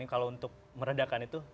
kalau untuk meredakan itu